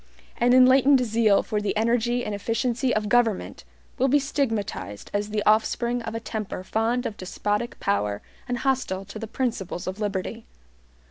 An enlightened zeal for the energy and efficiency of government will be stigmatized as the offspring of a temper fond of despotic power and hostile to the principles of liberty.